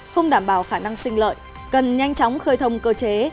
không đảm bảo khả năng sinh lợi cần nhanh chóng khơi thông cơ chế